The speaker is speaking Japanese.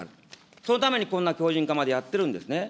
そのためにこんな強じん化までやってるんですね。